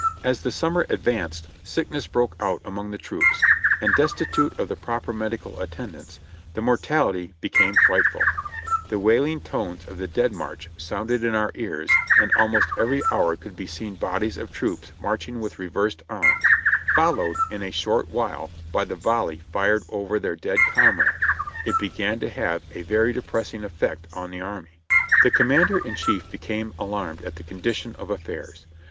As the summer advanced sickness broke out among the troops, and destitute of the proper medical attendance, the mor tality became frightful; the wailing tones of the "Dead March" sounded in our ears and almost every hour could be seen bodies of troops marching with reversed arms, followed in a short while by the volley fired over their dead comrade ; it began to have a very depressing effect on the army. The commander in chief became alarmed at the condition of affairs.